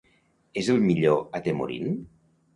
És el millor atemorint?